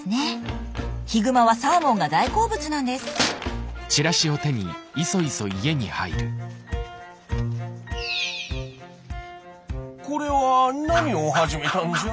ヒグマはサーモンが大好物なんですこれは何を始めたんじゃ？